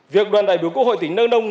việc đoàn đại biểu quốc hội tỉnh đăng đông